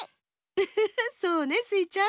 ウフフそうねスイちゃん。